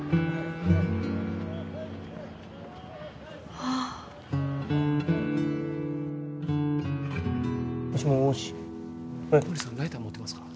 ああもしもし小森さんライター持ってますか？